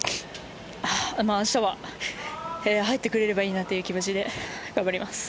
明日は入ってくれればいいなという気持ちで頑張ります。